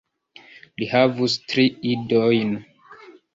Li havus tri idojn.